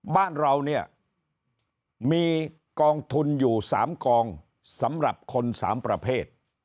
บ้านเราเนี่ยมีกองทุนอยู่๓กองสำหรับคน๓ประเภท